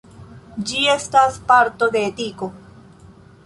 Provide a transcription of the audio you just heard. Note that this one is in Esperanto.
Ĝi estas parto de etiko.